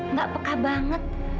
nggak peka banget